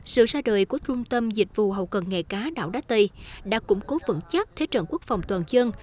sự ra đời của trung tâm dịch vụ hậu công nghệ cá đá tây đã củng cố vận chắc thế trận quốc phòng toàn dân